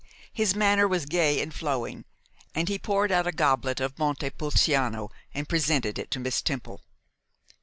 His manner was gay and flowing; and he poured out a goblet of Monte Pulciano and presented it to Miss Temple.